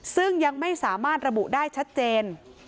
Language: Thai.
ซึ่งยังไม่สามารถระบุได้ชัดเจน